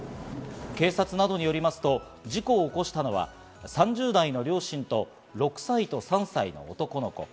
警察などによりますと事故を起こしたのは３０代の両親と６歳と３歳の男の子。